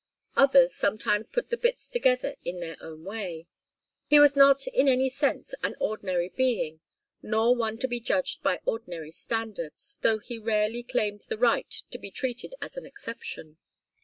Others sometimes put the bits together in their own way. He was not in any sense an ordinary being, nor one to be judged by ordinary standards, though he rarely claimed the right to be treated as an exception.